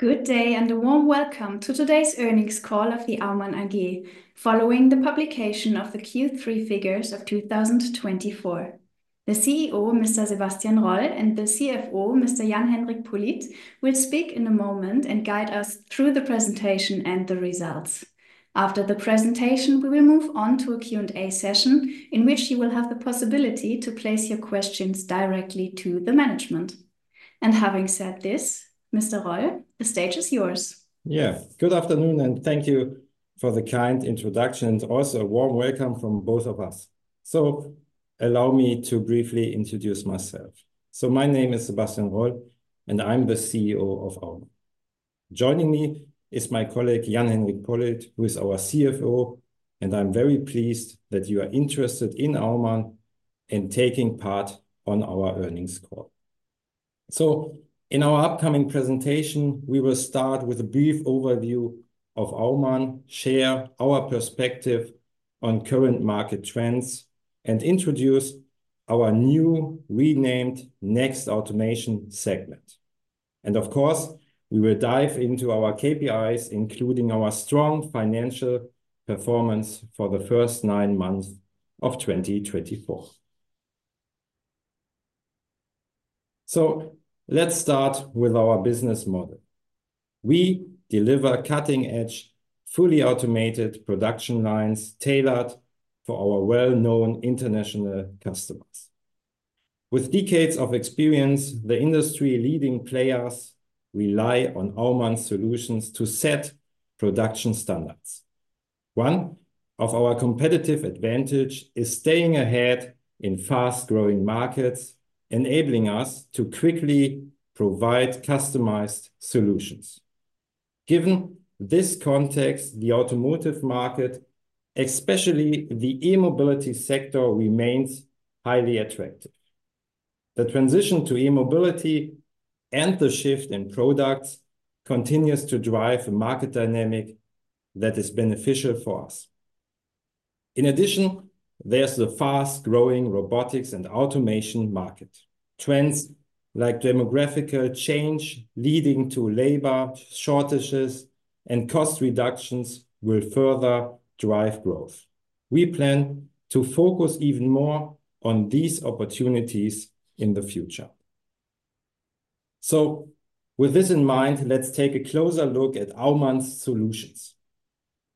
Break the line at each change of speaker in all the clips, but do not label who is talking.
Good day and a warm welcome to today's Earnings Call of the Aumann AG, following the publication of the Q3 figures of 2024. The CEO, Mr. Sebastian Roll, and the CFO, Mr. Jan-Henrik Pollitt, will speak in a moment and guide us through the presentation and the results. After the presentation, we will move on to a Q&A session in which you will have the possibility to place your questions directly to the management. And having said this, Mr. Roll, the stage is yours.
Yeah, good afternoon, and thank you for the kind introduction and also a warm welcome from both of us, so allow me to briefly introduce myself, so my name is Sebastian Roll and I'm the CEO of Aumann. Joining me is my colleague Jan-Henrik Pollitt, who is our CFO, and I'm very pleased that you are interested in Aumann and taking part in our earnings call, so in our upcoming presentation, we will start with a brief overview of Aumann, share our perspective on current market trends, and introduce our new renamed Next Automation segment, and of course, we will dive into our KPIs, including our strong financial performance for the first nine months of 2024, so let's start with our business model. We deliver cutting-edge, fully automated production lines tailored for our well-known international customers. With decades of experience, the industry leading players rely on Aumann's solutions to set production standards. One of our competitive advantages is staying ahead in fast-growing markets, enabling us to quickly provide customized solutions. Given this context, the automotive market, especially the E-mobility sector, remains highly attractive. The transition to E-mobility and the shift in products continues to drive a market dynamic that is beneficial for us. In addition, there's the fast-growing robotics and automation market. Trends like demographic change leading to labor shortages and cost reductions will further drive growth. We plan to focus even more on these opportunities in the future. So with this in mind, let's take a closer look at Aumann's solutions.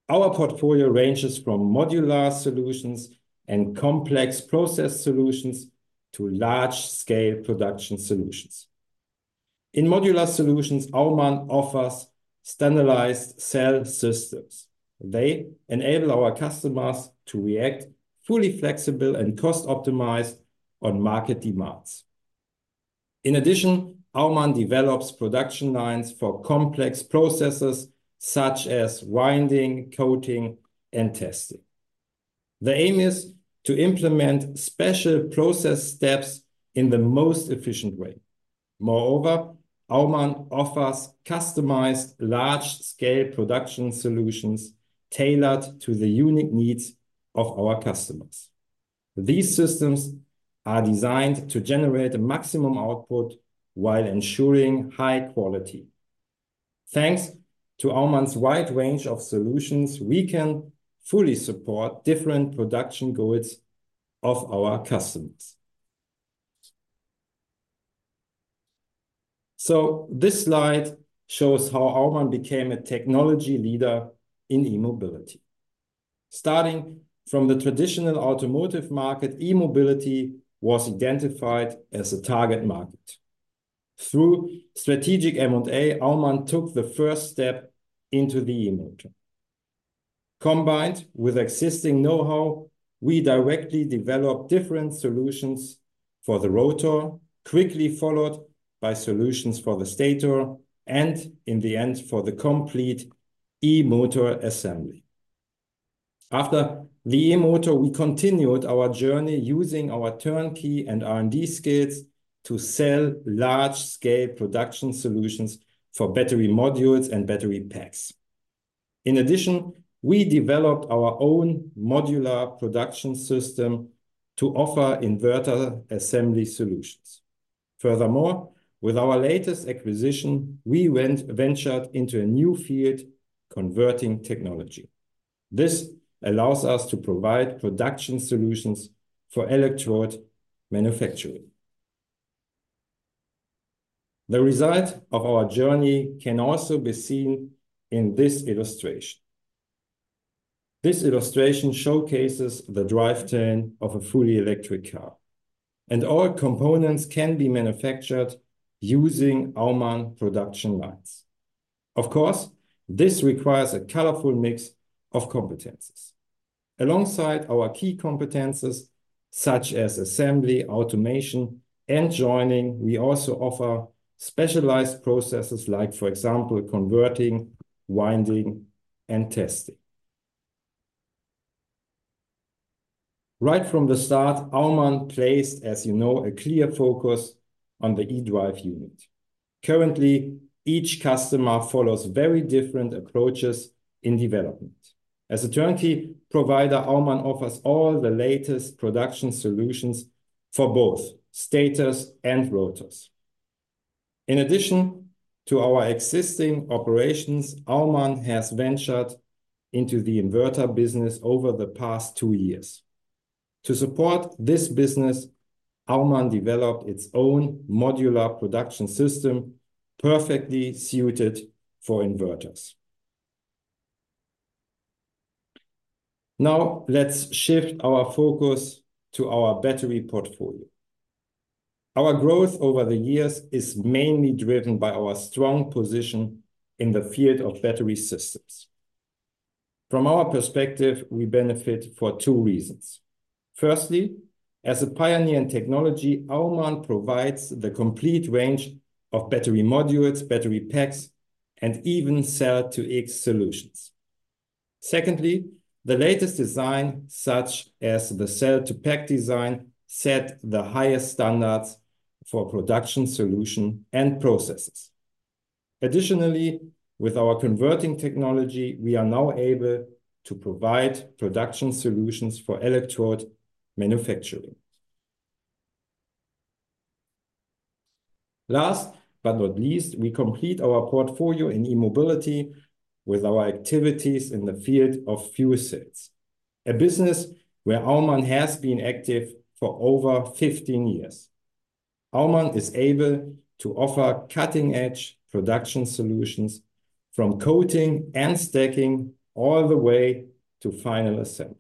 Our portfolio ranges from modular solutions and complex process solutions to large-scale production solutions. In modular solutions, Aumann offers standardized cell systems. They enable our customers to react fully flexible and cost-optimized on market demands. In addition, Aumann develops production lines for complex processes such as winding, coating, and testing. The aim is to implement special process steps in the most efficient way. Moreover, Aumann offers customized large-scale production solutions tailored to the unique needs of our customers. These systems are designed to generate a maximum output while ensuring high quality. Thanks to Aumann's wide range of solutions, we can fully support different production goals of our customers. So this slide shows how Aumann became a technology leader in E-mobility. Starting from the traditional automotive market, E-mobility was identified as a target market. Through strategic M&A, Aumann took the first step into the e-motor. Combined with existing know-how, we directly developed different solutions for the rotor, quickly followed by solutions for the stator, and in the end, for the complete e-motor assembly. After the e-motor, we continued our journey using our turnkey and R&D skills to sell large-scale production solutions for battery modules and battery packs. In addition, we developed our own modular production system to offer inverter assembly solutions. Furthermore, with our latest acquisition, we ventured into a new field, converting technology. This allows us to provide production solutions for electrode manufacturing. The result of our journey can also be seen in this illustration. This illustration showcases the drivetrain of a fully electric car, and all components can be manufactured using Aumann production lines. Of course, this requires a colorful mix of competencies. Alongside our key competencies, such as assembly, automation, and joining, we also offer specialized processes like, for example, converting, winding, and testing. Right from the start, Aumann placed, as you know, a clear focus on the E-drive unit. Currently, each customer follows very different approaches in development. As a turnkey provider, Aumann offers all the latest production solutions for both stators and rotors. In addition to our existing operations, Aumann has ventured into the inverter business over the past two years. To support this business, Aumann developed its own modular production system perfectly suited for inverters. Now let's shift our focus to our battery portfolio. Our growth over the years is mainly driven by our strong position in the field of battery systems. From our perspective, we benefit for two reasons. Firstly, as a pioneer in technology, Aumann provides the complete range of battery modules, battery packs, and even Cell-to-X solutions. Secondly, the latest design, such as the Cell-to-Pack design, set the highest standards for production solutions and processes. Additionally, with our converting technology, we are now able to provide production solutions for electrode manufacturing. Last but not least, we complete our portfolio in E-mobility with our activities in the field of fuel cells, a business where Aumann has been active for over 15 years. Aumann is able to offer cutting-edge production solutions from coating and stacking all the way to final assembly.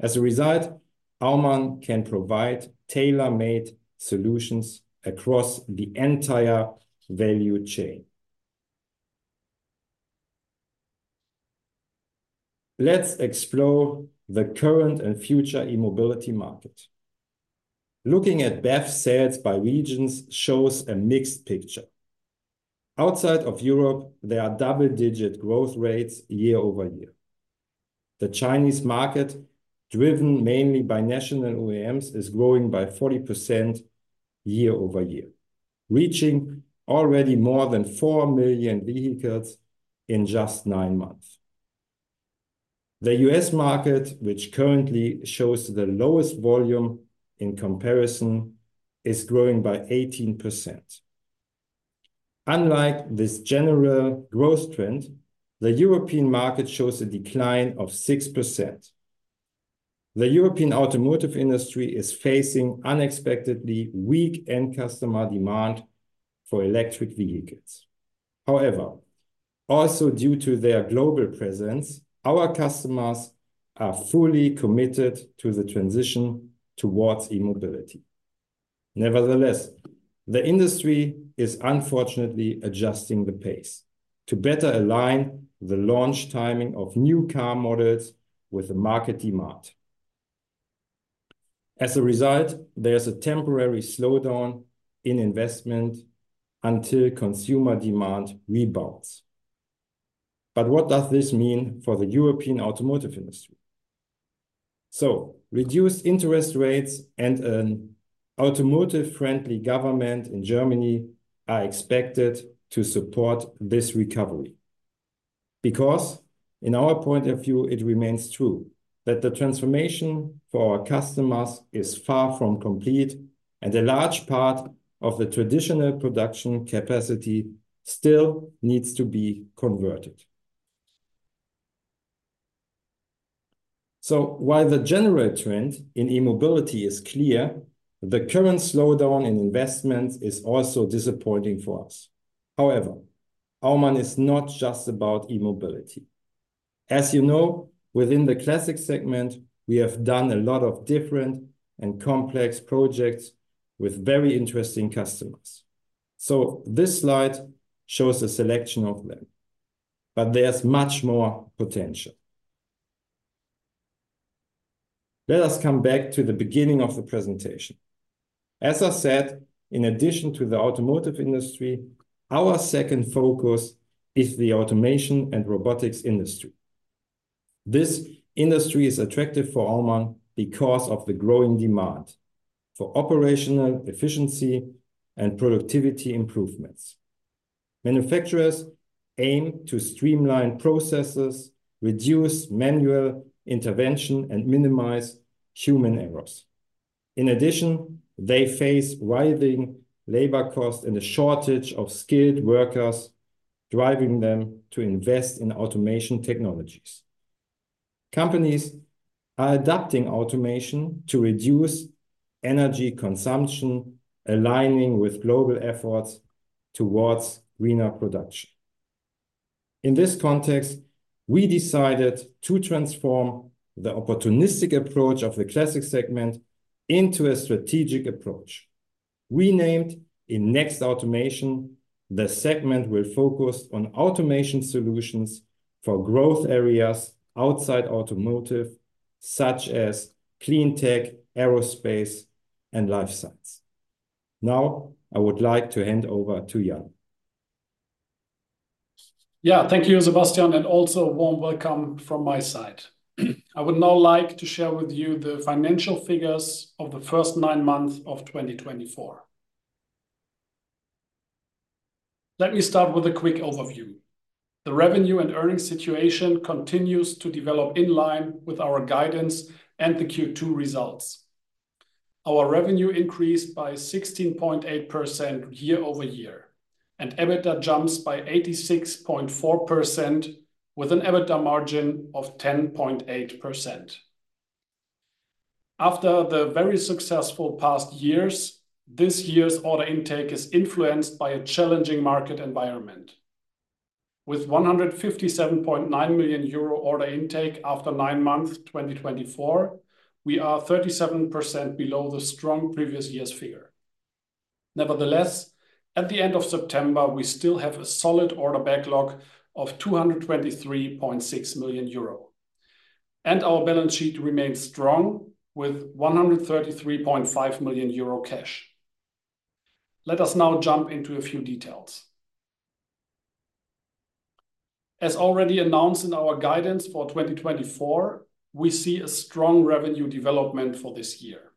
As a result, Aumann can provide tailor-made solutions across the entire value chain. Let's explore the current and future E-mobility market. Looking at BEV sales by regions shows a mixed picture. Outside of Europe, there are double-digit growth rates year-over-year. The Chinese market, driven mainly by national OEMs, is growing by 40% year-over-year, reaching already more than 4 million vehicles in just nine months. The US market, which currently shows the lowest volume in comparison, is growing by 18%. Unlike this general growth trend, the European market shows a decline of 6%. The European automotive industry is facing unexpectedly weak end-customer demand for electric vehicles. However, also due to their global presence, our customers are fully committed to the transition towards E-mobility. Nevertheless, the industry is unfortunately adjusting the pace to better align the launch timing of new car models with the market demand. As a result, there's a temporary slowdown in investment until consumer demand rebounds. But what does this mean for the European automotive industry? So reduced interest rates and an automotive-friendly government in Germany are expected to support this recovery. Because in our point of view, it remains true that the transformation for our customers is far from complete and a large part of the traditional production capacity still needs to be converted. So while the general trend in E-mobility is clear, the current slowdown in investment is also disappointing for us. However, Aumann is not just about E-mobility. As you know, within the classic segment, we have done a lot of different and complex projects with very interesting customers. So this slide shows a selection of them, but there's much more potential. Let us come back to the beginning of the presentation. As I said, in addition to the automotive industry, our second focus is the automation and robotics industry. This industry is attractive for Aumann because of the growing demand for operational efficiency and productivity improvements. Manufacturers aim to streamline processes, reduce manual intervention, and minimize human errors. In addition, they face rising labor costs and a shortage of skilled workers, driving them to invest in automation technologies. Companies are adopting automation to reduce energy consumption, aligning with global efforts towards greener production. In this context, we decided to transform the opportunistic approach of the Classic segment into a strategic approach. We named it Next Automation, the segment will focus on automation solutions for growth areas outside automotive, such as CleanTech, aerospace, and life science. Now I would like to hand over to Jan.
Yeah, thank you, Sebastian, and also a warm welcome from my side. I would now like to share with you the financial figures of the first nine months of 2024. Let me start with a quick overview. The revenue and earnings situation continues to develop in line with our guidance and the Q2 results. Our revenue increased by 16.8% year-over-year, and EBITDA jumps by 86.4% with an EBITDA margin of 10.8%. After the very successful past years, this year's order intake is influenced by a challenging market environment. With 157.9 million euro order intake after nine months 2024, we are 37% below the strong previous year's figure. Nevertheless, at the end of September, we still have a solid order backlog of 223.6 million euro, and our balance sheet remains strong with 133.5 million euro cash. Let us now jump into a few details. As already announced in our guidance for 2024, we see a strong revenue development for this year.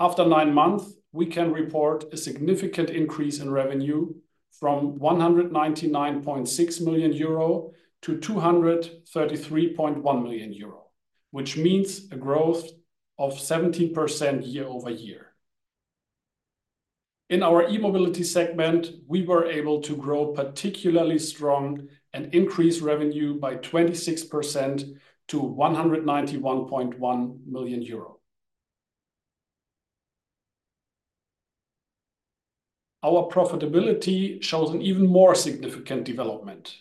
After nine months, we can report a significant increase in revenue from 199.6 million euro to 233.1 million euro, which means a growth of 17% year-over-year. In our E-mobility segment, we were able to grow particularly strong and increase revenue by 26% to EUR 191.1 million. Our profitability shows an even more significant development.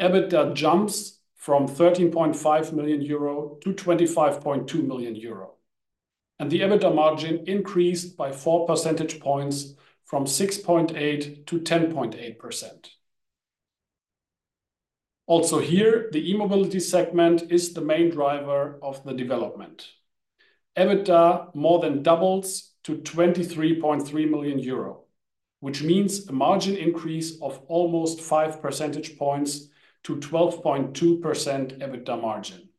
EBITDA jumps from 13.5 million euro to 25.2 million euro, and the EBITDA margin increased by 4 percentage points from 6.8% to 10.8%. Also here, the E-mobility segment is the main driver of the development. EBITDA more than doubles to 23.3 million euro, which means a margin increase of almost 5 percentage points to 12.2% EBITDA margin.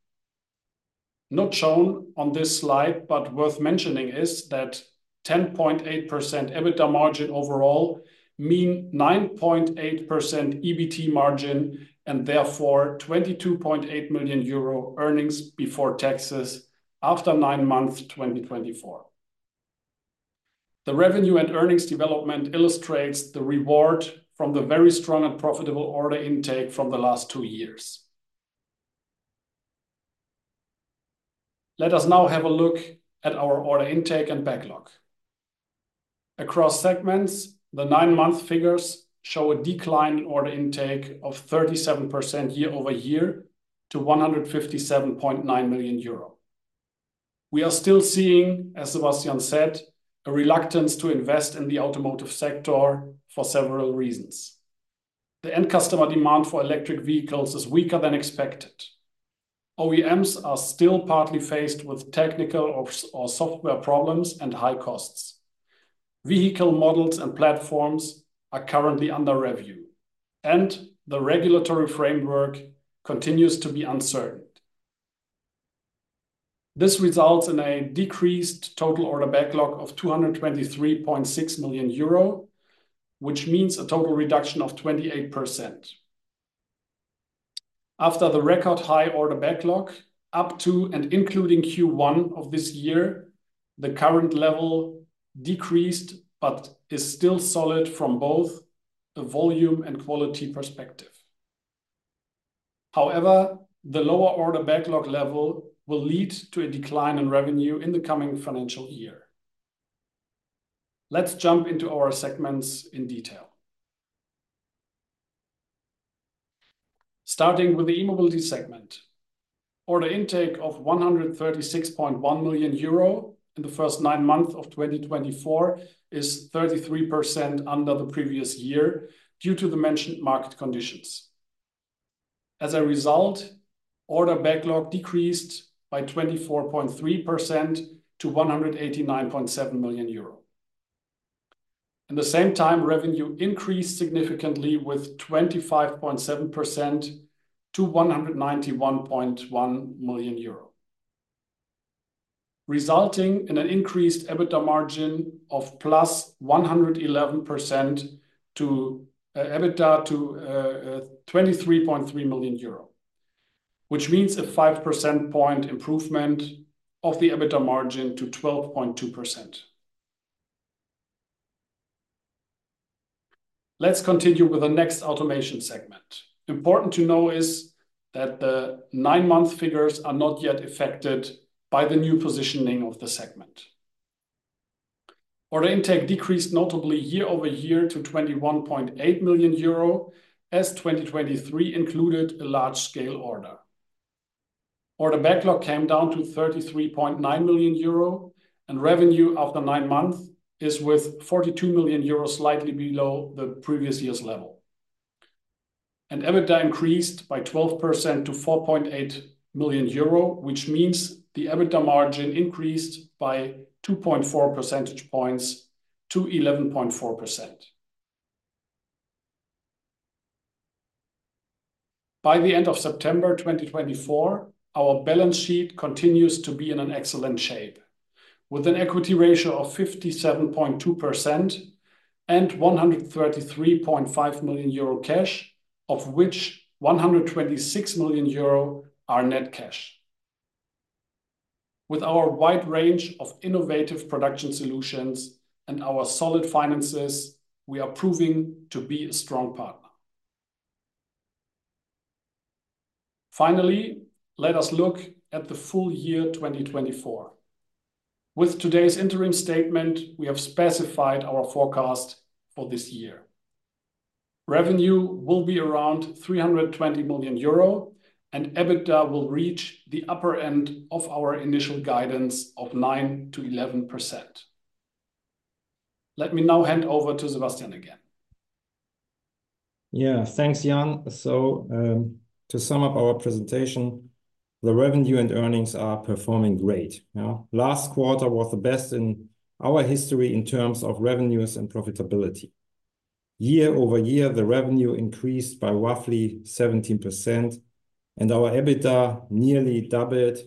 Not shown on this slide, but worth mentioning is that 10.8% EBITDA margin overall means 9.8% EBIT margin and therefore 22.8 million euro earnings before taxes after nine months 2024. The revenue and earnings development illustrates the reward from the very strong and profitable order intake from the last two years. Let us now have a look at our order intake and backlog. Across segments, the nine-month figures show a decline in order intake of 37% year-over-year to 157.9 million euro. We are still seeing, as Sebastian said, a reluctance to invest in the automotive sector for several reasons. The end-customer demand for electric vehicles is weaker than expected. OEMs are still partly faced with technical or software problems and high costs. Vehicle models and platforms are currently under review, and the regulatory framework continues to be uncertain. This results in a decreased total order backlog of 223.6 million euro, which means a total reduction of 28%. After the record high order backlog, up to and including Q1 of this year, the current level decreased but is still solid from both a volume and quality perspective. However, the lower order backlog level will lead to a decline in revenue in the coming financial year. Let's jump into our segments in detail. Starting with the E-mobility segment, order intake of 136.1 million euro in the first nine months of 2024 is 33% under the previous year due to the mentioned market conditions. As a result, order backlog decreased by 24.3% to 189.7 million euro. At the same time, revenue increased significantly with 25.7% to EUR 191.1 million, resulting in an increased EBITDA of plus 111% to 23.3 million euro, which means a 5 percentage point improvement of the EBITDA margin to 12.2%. Let's continue with the Next Automation segment. Important to know is that the nine-month figures are not yet affected by the new positioning of the segment. Order intake decreased notably year-over-year to 21.8 million euro as 2023 included a large-scale order. Order backlog came down to 33.9 million euro, and revenue after nine months is with 42 million euros slightly below the previous year's level, and EBITDA increased by 12% to 4.8 million euro, which means the EBITDA margin increased by 2.4 percentage points to 11.4%. By the end of September 2024, our balance sheet continues to be in excellent shape with an equity ratio of 57.2% and 133.5 million euro cash, of which 126 million euro are net cash. With our wide range of innovative production solutions and our solid finances, we are proving to be a strong partner. Finally, let us look at the full year 2024. With today's interim statement, we have specified our forecast for this year. Revenue will be around 320 million euro, and EBITDA will reach the upper end of our initial guidance of 9%-11%. Let me now hand over to Sebastian again.
Yeah, thanks, Jan. So to sum up our presentation, the revenue and earnings are performing great. Last quarter was the best in our history in terms of revenues and profitability. Year-over-year, the revenue increased by roughly 17%, and our EBITDA nearly doubled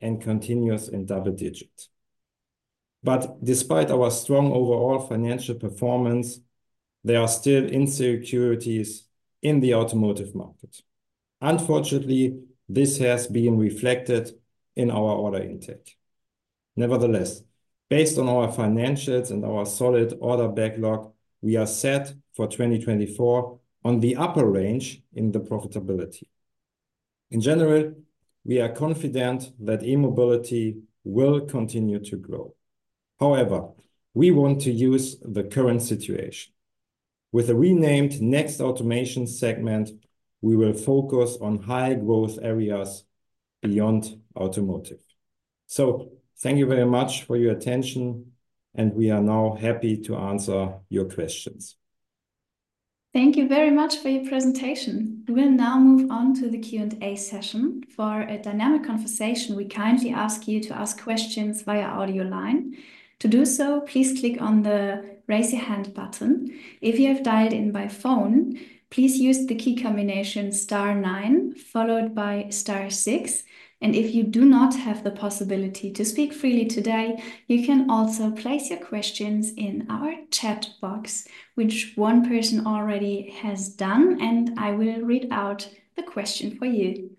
and continues in double digits. But despite our strong overall financial performance, there are still insecurities in the automotive market. Unfortunately, this has been reflected in our order intake. Nevertheless, based on our financials and our solid order backlog, we are set for 2024 on the upper range in the profitability. In general, we are confident that E-mobility will continue to grow. However, we want to use the current situation. With the renamed Next Automation segment, we will focus on high-growth areas beyond automotive. So thank you very much for your attention, and we are now happy to answer your questions.
Thank you very much for your presentation. We will now move on to the Q&A session. For a dynamic conversation, we kindly ask you to ask questions via audio line. To do so, please click on the raise your hand button. If you have dialed in by phone, please use the key combination star nine followed by star six, and if you do not have the possibility to speak freely today, you can also place your questions in our chat box, which one person already has done, and I will read out the question for you.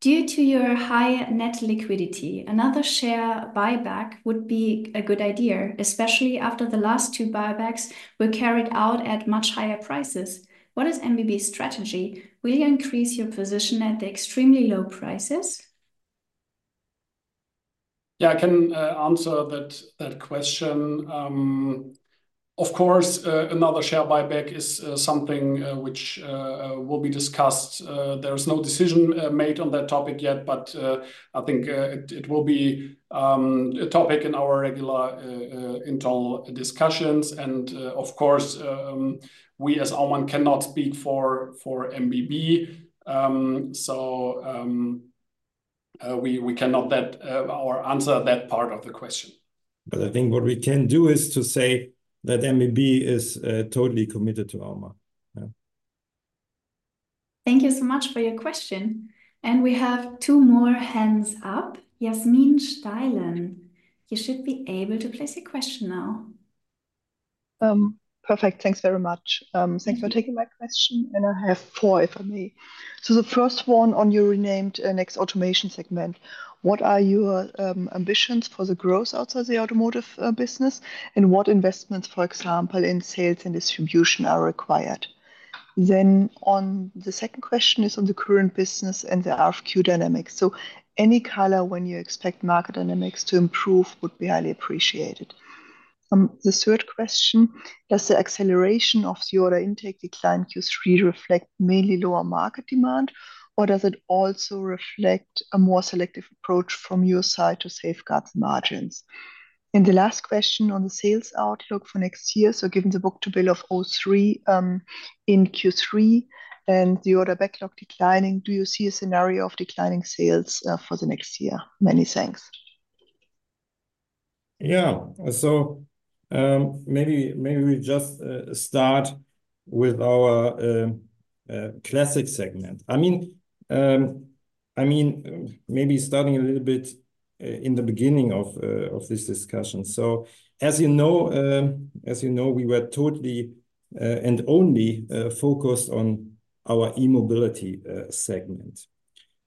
Due to your high net liquidity, another share buyback would be a good idea, especially after the last two buybacks were carried out at much higher prices. What is MBB's strategy? Will you increase your position at the extremely low prices?
Yeah, I can answer that question. Of course, another share buyback is something which will be discussed. There is no decision made on that topic yet, but I think it will be a topic in our regular internal discussions. And of course, we as Aumann cannot speak for MBB, so we cannot answer that part of the question.
But I think what we can do is to say that MBB is totally committed to Aumann.
Thank you so much for your question. And we have two more hands up. Yasmin Steilen, you should be able to place your question now. Perfect. Thanks very much. Thanks for taking my question. And I have four, if I may. So the first one on your renamed Next Automation segment, what are your ambitions for the growth outside the automotive business, and what investments, for example, in sales and distribution are required? Then on the second question is on the current business and the RFQ dynamics. So any color when you expect market dynamics to improve would be highly appreciated. The third question, does the acceleration of the order intake decline Q3 reflect mainly lower market demand, or does it also reflect a more selective approach from your side to safeguard the margins? And the last question on the sales outlook for next year, so given the book-to-bill of 0.3 in Q3 and the order backlog declining, do you see a scenario of declining sales for the next year? Many thanks.
Yeah, so maybe we just start with our Classic Segment. I mean, maybe starting a little bit in the beginning of this discussion. So as you know, we were totally and only focused on our E-mobility Segment.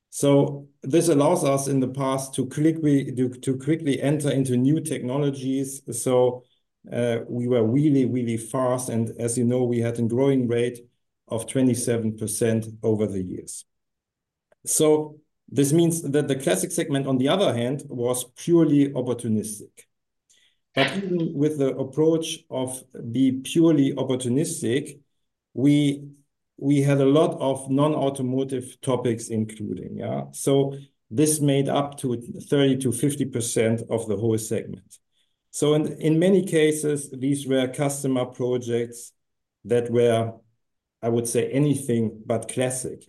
So this allows us in the past to quickly enter into new technologies. So we were really, really fast, and as you know, we had a growing rate of 27% over the years. So this means that the Classic Segment, on the other hand, was purely opportunistic. But even with the approach of being purely opportunistic, we had a lot of non-automotive topics including. So this made up 30%-50% of the whole segment. So in many cases, these were customer projects that were, I would say, anything but classic,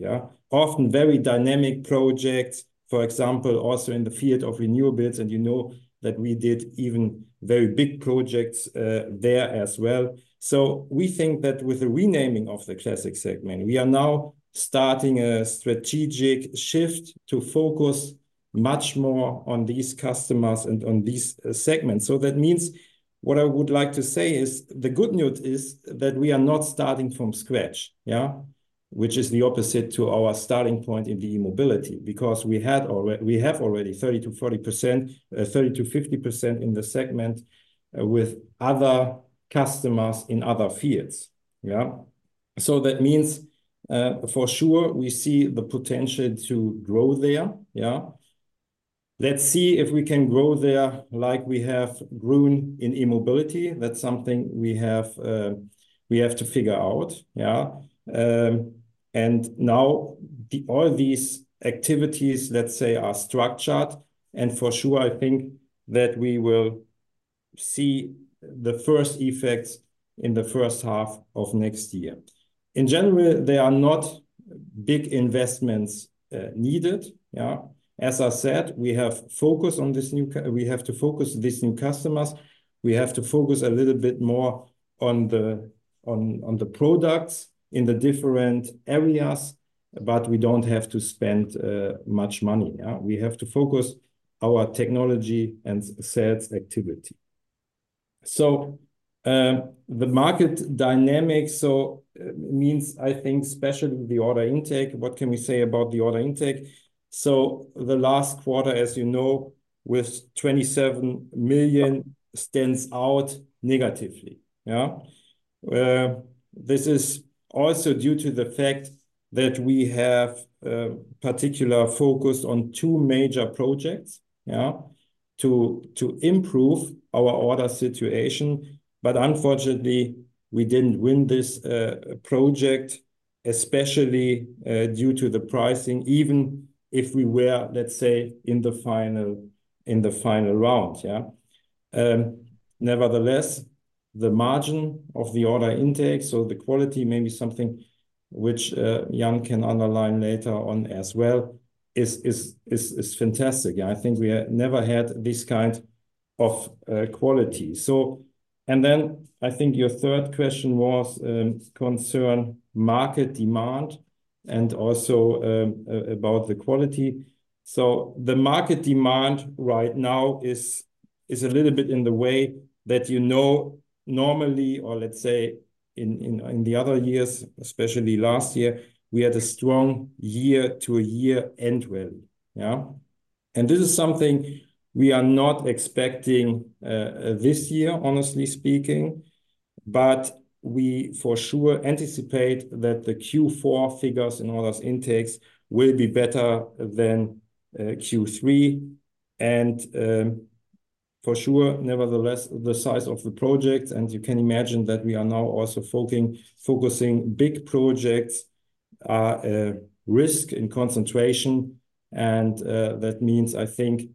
often very dynamic projects, for example, also in the field of renewables. And you know that we did even very big projects there as well. So we think that with the renaming of the Classic Segment, we are now starting a strategic shift to focus much more on these customers and on these segments. So that means what I would like to say is the good news is that we are not starting from scratch, which is the opposite to our starting point in the E-mobility because we have already 30%-50% in the segment with other customers in other fields. So that means for sure we see the potential to grow there. Let's see if we can grow there like we have grown in E-mobility. That's something we have to figure out. And now all these activities, let's say, are structured. And for sure, I think that we will see the first effects in the first half of next year. In general, there are not big investments needed. As I said, we have to focus on these new customers. We have to focus a little bit more on the products in the different areas, but we don't have to spend much money. We have to focus on our technology and sales activity. So the market dynamic means, I think, especially the order intake, what can we say about the order intake? So the last quarter, as you know, with 27 million stands out negatively. This is also due to the fact that we have particular focus on two major projects to improve our order situation. But unfortunately, we didn't win this project, especially due to the pricing, even if we were, let's say, in the final round. Nevertheless, the margin of the order intake, so the quality, maybe something which Jan can underline later on as well, is fantastic. I think we never had this kind of quality. And then I think your third question was concerning market demand and also about the quality. So the market demand right now is a little bit in the way that you know normally, or let's say in the other years, especially last year, we had a strong year-to-year end value. And this is something we are not expecting this year, honestly speaking, but we for sure anticipate that the Q4 figures in order intake will be better than Q3. And for sure, nevertheless, the size of the projects, and you can imagine that we are now also focusing big projects are risk in concentration. And that means, I think,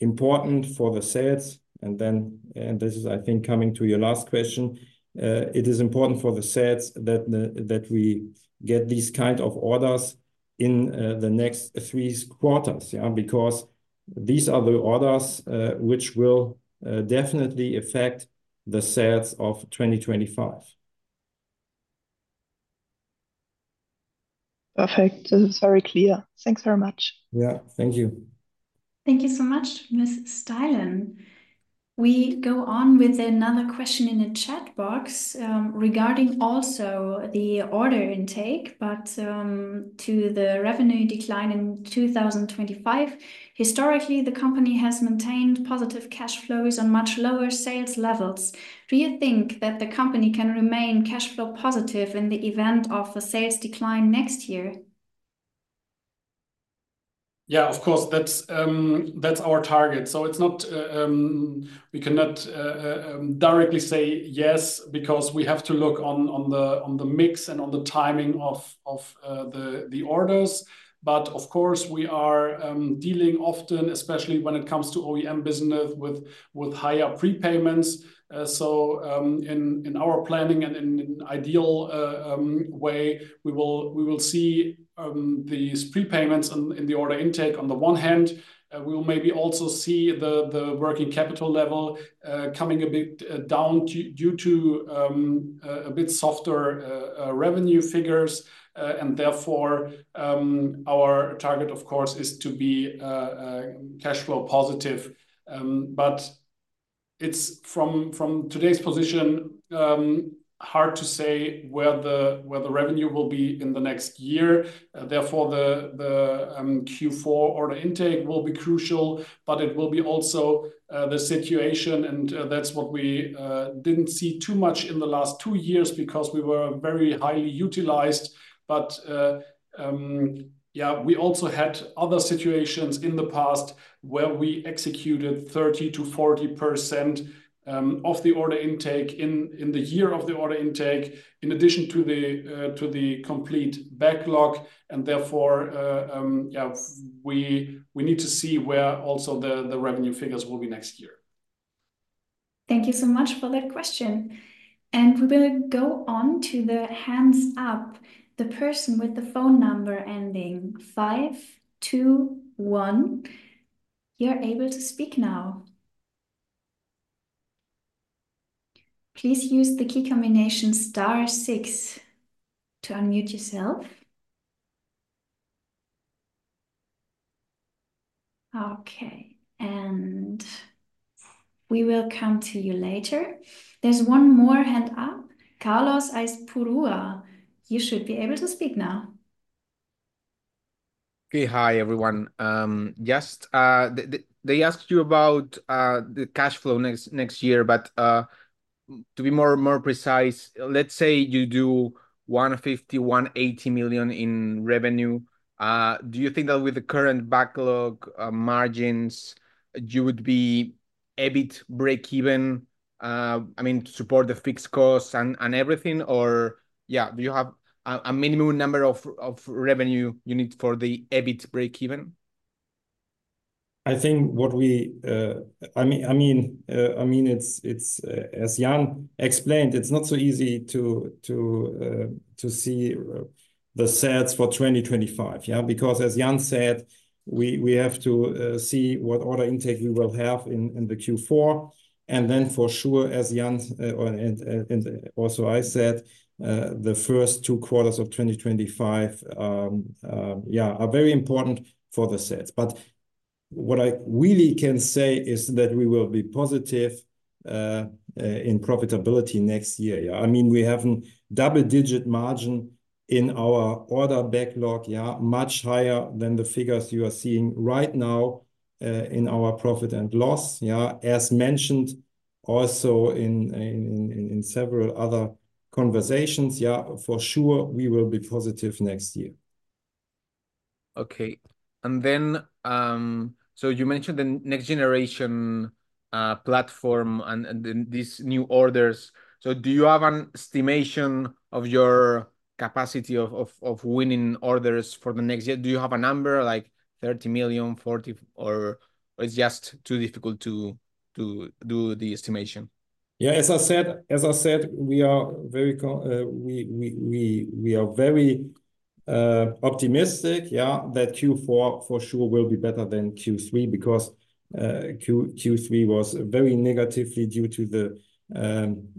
important for the sales. And then this is, I think, coming to your last question. It is important for the sales that we get these kind of orders in the next three quarters because these are the orders which will definitely affect the sales of 2025. Perfect. This is very clear. Thanks very much. Yeah, thank you.
Thank you so much, Ms. Steilen. We go on with another question in the chat box regarding also the order intake, but to the revenue decline in 2025. Historically, the company has maintained positive cash flows on much lower sales levels. Do you think that the company can remain cash flow positive in the event of a sales decline next year?
Yeah, of course, that's our target. So we cannot directly say yes because we have to look on the mix and on the timing of the orders. But of course, we are dealing often, especially when it comes to OEM business with higher prepayments. So in our planning and in an ideal way, we will see these prepayments in the order intake. On the one hand, we will maybe also see the working capital level coming a bit down due to a bit softer revenue figures. And therefore, our target, of course, is to be cash flow positive. But from today's position, hard to say where the revenue will be in the next year. Therefore, the Q4 order intake will be crucial, but it will be also the situation. And that's what we didn't see too much in the last two years because we were very highly utilized. But yeah, we also had other situations in the past where we executed 30%-40% of the order intake in the year of the order intake, in addition to the complete backlog. And therefore, we need to see where also the revenue figures will be next year.
Thank you so much for that question. And we're going to go on to the hands up, the person with the phone number ending 521. You're able to speak now. Please use the key combination star six to unmute yourself. Okay. And we will come to you later. There's one more hand up, Carlos Aizpurua. You should be able to speak now. Okay, hi everyone. They asked you about the cash flow next year, but to be more precise, let's say you do 150 million-180 million in revenue. Do you think that with the current backlog margins, you would be a bit breakeven, I mean, to support the fixed costs and everything? Or yeah, do you have a minimum number of revenue you need for the EBIT breakeven?
I think, I mean, as Jan explained, it's not so easy to see the sales for 2025 because, as Jan said, we have to see what order intake we will have in the Q4. And then for sure, as Jan also said, the first two quarters of 2025 are very important for the sales. But what I really can say is that we will be positive in profitability next year. I mean, we have a double-digit margin in our order backlog, much higher than the figures you are seeing right now in our profit and loss. As mentioned also in several other conversations, for sure, we will be positive next year. Okay. And then so you mentioned the next generation platform and these new orders, so do you have an estimation of your capacity of winning orders for the next year? Do you have a number like 30 million, 40 million, or it's just too difficult to do the estimation? Yeah, as I said, we are very optimistic that Q4 for sure will be better than Q3 because Q3 was very negatively due to the,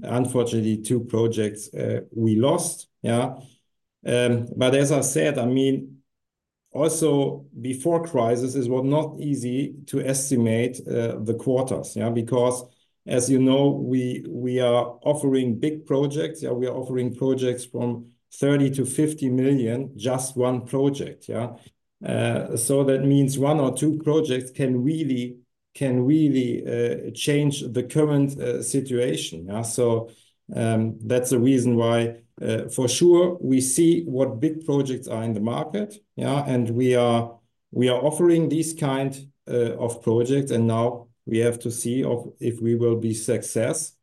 unfortunately, two projects we lost. But as I said, I mean, also before crisis is not easy to estimate the quarters because, as you know, we are offering big projects. We are offering projects from 30 million-50 million, just one project. So that means one or two projects can really change the current situation. So that's the reason why for sure we see what big projects are in the market. And we are offering these kinds of projects. And now we have to see if we will be successful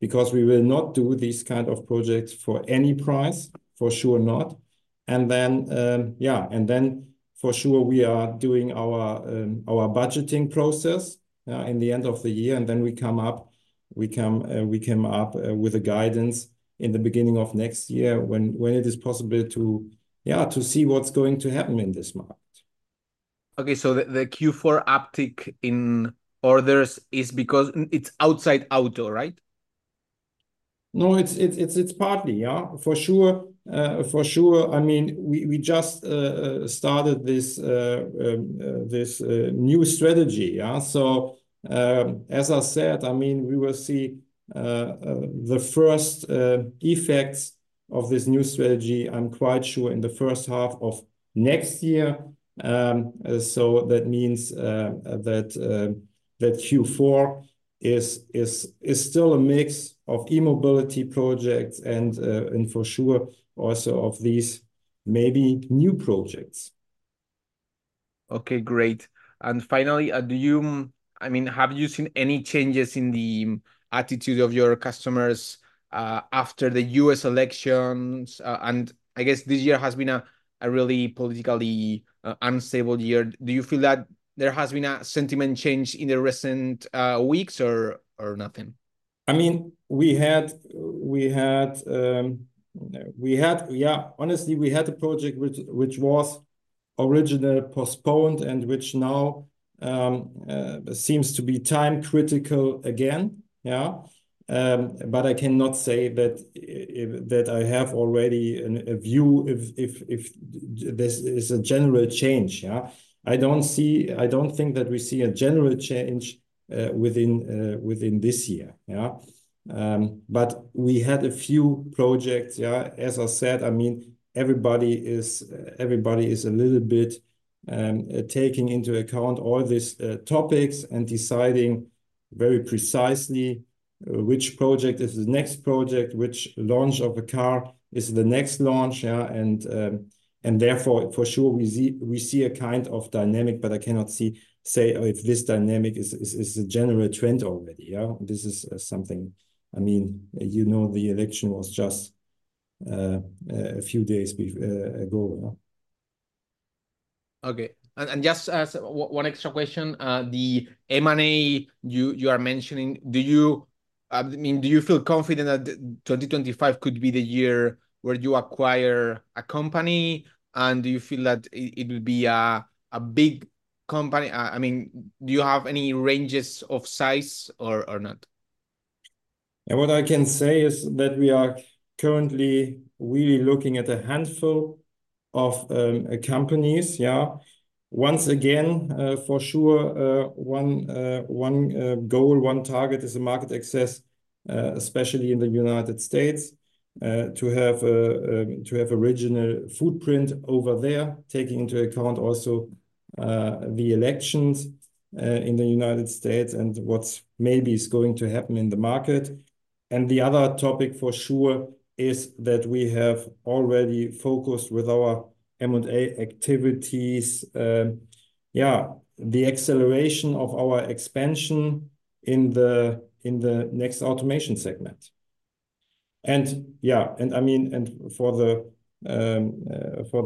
because we will not do these kinds of projects for any price, for sure not. And then for sure, we are doing our budgeting process in the end of the year. We come up with a guidance in the beginning of next year when it is possible to see what's going to happen in this market. Okay. So the Q4 uptick in orders is because it's outside auto, right? No, it's partly. For sure. I mean, we just started this new strategy. So as I said, I mean, we will see the first effects of this new strategy, I'm quite sure, in the first half of next year. So that means that Q4 is still a mix of E-mobility projects and for sure also of these maybe new projects. Okay, great. And finally, do you have seen any changes in the attitude of your customers after the U.S. elections? And I guess this year has been a really politically unstable year. Do you feel that there has been a sentiment change in the recent weeks or nothing? I mean, we had, yeah, honestly, we had a project which was originally postponed and which now seems to be time critical again. But I cannot say that I have already a view if this is a general change. I don't think that we see a general change within this year. But we had a few projects. As I said, I mean, everybody is a little bit taking into account all these topics and deciding very precisely which project is the next project, which launch of a car is the next launch. And therefore, for sure, we see a kind of dynamic, but I cannot say if this dynamic is a general trend already. This is something, I mean, you know the election was just a few days ago. Okay. And just one extra question. The M&A you are mentioning, I mean, do you feel confident that 2025 could be the year where you acquire a company? And do you feel that it would be a big company? I mean, do you have any ranges of size or not? What I can say is that we are currently really looking at a handful of companies. Once again, for sure, one goal, one target is the market access, especially in the United States, to have a regional footprint over there, taking into account also the elections in the United States and what maybe is going to happen in the market. The other topic for sure is that we have already focused with our M&A activities, yeah, the acceleration of our expansion in the Next Automation segment. Yeah, I mean, for the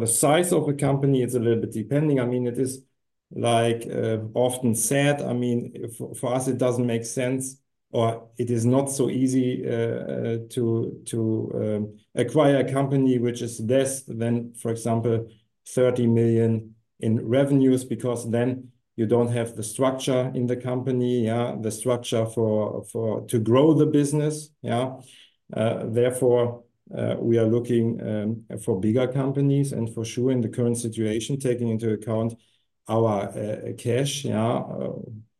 size of a company, it's a little bit depending. I mean, it is like often said, I mean, for us, it doesn't make sense or it is not so easy to acquire a company which is less than, for example, 30 million in revenues because then you don't have the structure in the company, the structure to grow the business. Therefore, we are looking for bigger companies. And for sure, in the current situation, taking into account our cash,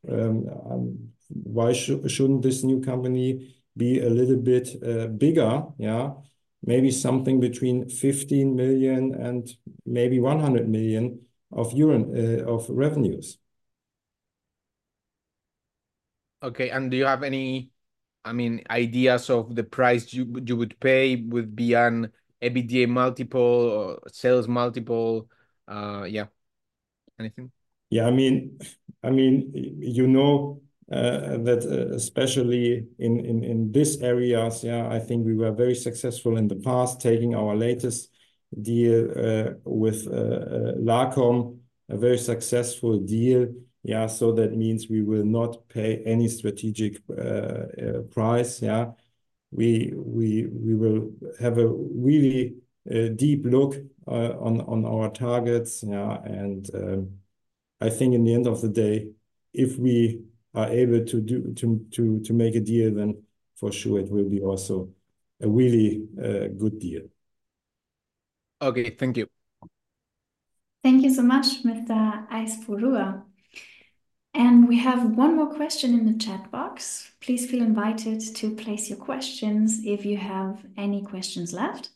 why shouldn't this new company be a little bit bigger? Maybe something between 15 million and maybe 100 million of revenues. Okay. And do you have any, I mean, ideas of the price you would pay with beyond EBITDA multiple or sales multiple? Yeah, anything? Yeah, I mean, you know that especially in this area, I think we were very successful in the past taking our latest deal with Lacom, a very successful deal. So that means we will not pay any strategic price. We will have a really deep look on our targets. And I think in the end of the day, if we are able to make a deal, then for sure it will be also a really good deal. Okay, thank you.
Thank you so much, Mr. Aizpurua. We have one more question in the chat box. Please feel invited to place your questions if you have any questions left.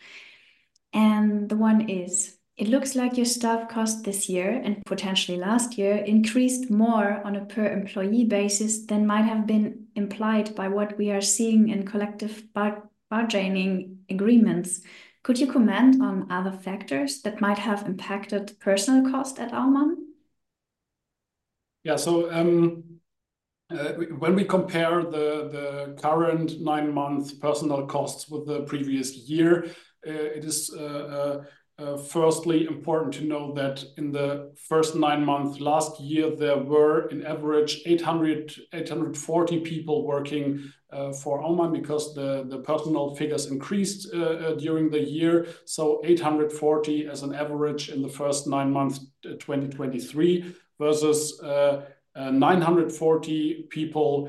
The one is, it looks like your staff costs this year and potentially last year increased more on a per-employee basis than might have been implied by what we are seeing in collective bargaining agreements. Could you comment on other factors that might have impacted personnel costs at Aumann?
Yeah. So when we compare the current nine-month personnel costs with the previous year, it is first important to know that in the first nine months last year, there were on average 840 people working for Aumann because the personnel figures increased during the year. So 840 as an average in the first nine months 2023 versus 940 people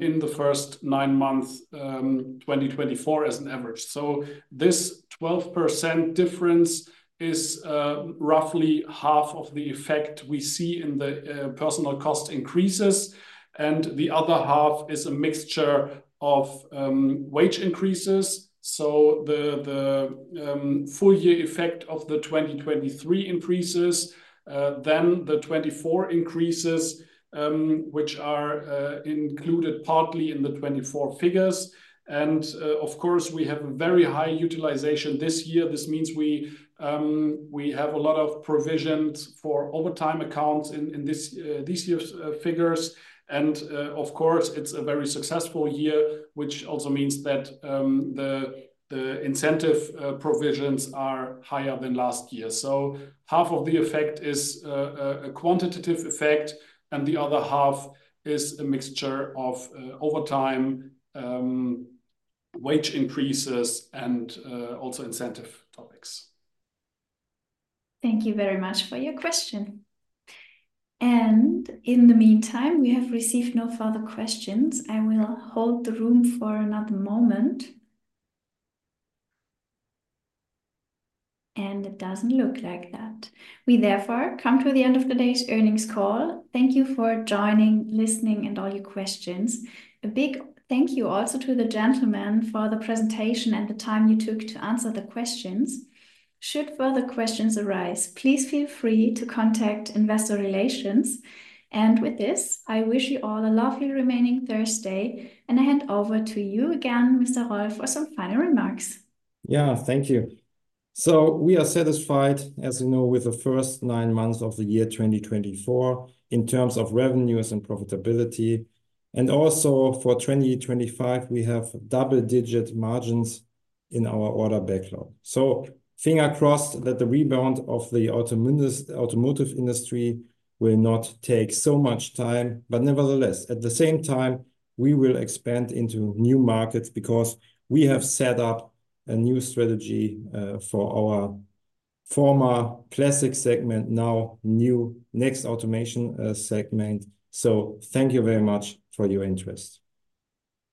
in the first nine months 2024 as an average. So this 12% difference is roughly half of the effect we see in the personnel cost increases. And the other half is a mixture of wage increases. So the full year effect of the 2023 increases, then the 2024 increases, which are included partly in the 2024 figures. And of course, we have a very high utilization this year. This means we have a lot of provisions for overtime accounts in this year's figures. Of course, it's a very successful year, which also means that the incentive provisions are higher than last year. Half of the effect is a quantitative effect, and the other half is a mixture of overtime wage increases and also incentive topics.
Thank you very much for your question, and in the meantime, we have received no further questions. I will hold the room for another moment, and it doesn't look like that. We therefore come to the end of today's earnings call. Thank you for joining, listening, and all your questions. A big thank you also to the gentlemen for the presentation and the time you took to answer the questions. Should further questions arise, please feel free to contact Investor Relations. And with this, I wish you all a lovely remaining Thursday, and I hand over to you again, Mr. Roll, for some final remarks.
Yeah, thank you. So we are satisfied, as you know, with the first nine months of the year 2024 in terms of revenues and profitability. And also for 2025, we have double-digit margins in our order backlog. So fingers crossed that the rebound of the automotive industry will not take so much time. But nevertheless, at the same time, we will expand into new markets because we have set up a new strategy for our former Classic Segment, now new Next Automation segment. So thank you very much for your interest.